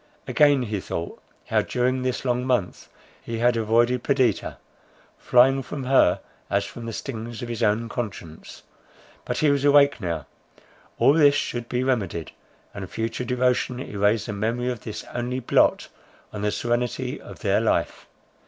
Again he thought, how during this long month, he had avoided Perdita, flying from her as from the stings of his own conscience. But he was awake now; all this should be remedied; and future devotion erase the memory of this only blot on the serenity of their life.